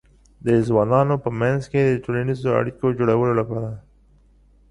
د ځوانانو په منځ کې د ټولنیزو اړیکو د جوړولو لپاره